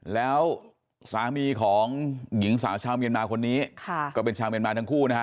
แล้วสามีของหญิงสาวชาวเมียนมาคนนี้ก็เป็นชาวเมียนมาทั้งคู่นะฮะ